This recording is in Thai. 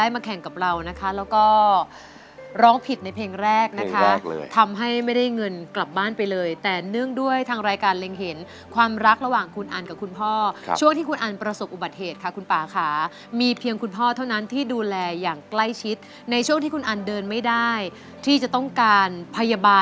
มาแข่งกับเรานะคะแล้วก็ร้องผิดในเพลงแรกนะคะทำให้ไม่ได้เงินกลับบ้านไปเลยแต่เนื่องด้วยทางรายการเล็งเห็นความรักระหว่างคุณอันกับคุณพ่อช่วงที่คุณอันประสบอุบัติเหตุค่ะคุณป่าค่ะมีเพียงคุณพ่อเท่านั้นที่ดูแลอย่างใกล้ชิดในช่วงที่คุณอันเดินไม่ได้ที่จะต้องการพยาบาล